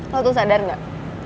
lo tuh sadar nggak